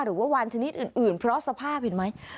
วานชนิดอื่นเพราะสภาพเห็นไหม